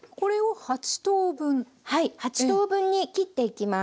８等分に切っていきます。